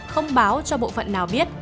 không báo cho bộ phận nào biết